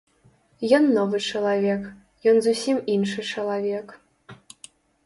Ён новы чалавек, ён зусім іншы чалавек.